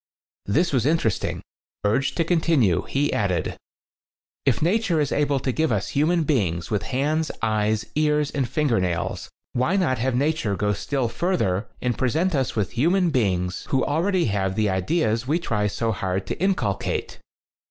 This was interesting. Urged to continue, he added: "If nature is able to give us human beings with hands, eyes, ears and finger nails, why not have nature go still further and present us with hu man beings who already have the ideas we try so hard to inculcate?"